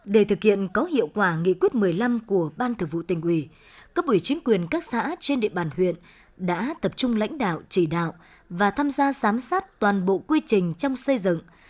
để thực hiện có hiệu quả nghị quyết một mươi năm của ban thực vụ tình quỳ các bụi chính quyền các xã trên địa bàn huyện đã tập trung lãnh đạo chỉ đạo và tham gia sám sát toàn bộ quy trình trong xây dựng